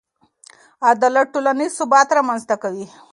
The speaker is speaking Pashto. عدالت ټولنیز ثبات رامنځته کوي.